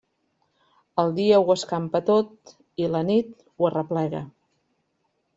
El dia ho escampa tot i la nit ho arreplega.